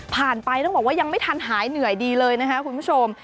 ไปต้องบอกว่ายังไม่ทันหายเหนื่อยดีเลยนะคะคุณผู้ชม